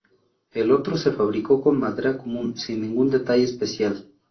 El otro se fabricó con madera común sin ningún detalle especial.